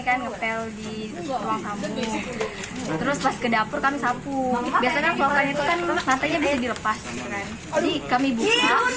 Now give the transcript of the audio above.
terus pas ke dapur kami sapu biasanya ruang kampung itu kan matanya bisa dilepas